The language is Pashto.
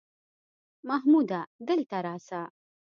محموده دلته راسه!